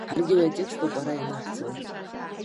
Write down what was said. Ҳаргьы уи атекст ауп ара ианаҳҵо.